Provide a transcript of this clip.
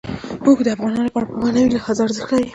اوښ د افغانانو لپاره په معنوي لحاظ ارزښت لري.